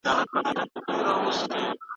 د لمبېدو وخت ستا پر روغتیا اغېز لري.